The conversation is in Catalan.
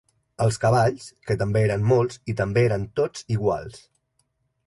Els cavalls, que també eren molts i també eren tots iguals